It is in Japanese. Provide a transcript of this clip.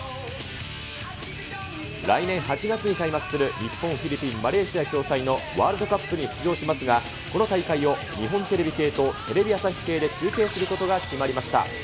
来年８月に開幕する日本、フィリピン、マレーシア共催のワールドカップに出場しますが、この大会を日本テレビ系とテレビ朝日系で中継することが決まりました。